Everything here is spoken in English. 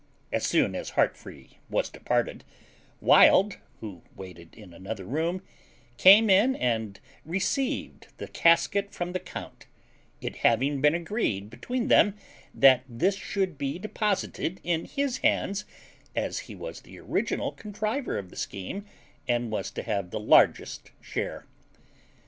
As soon as Heartfree was departed, Wild, who waited in another room, came in and received the casket from the count, it having been agreed between them that this should be deposited in his hands, as he was the original contriver of the scheme, and was to have the largest share.